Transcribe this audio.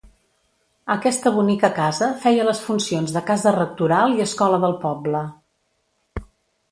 Aquesta bonica casa feia les funcions de casa rectoral i escola del poble.